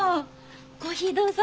コーヒーどうぞ。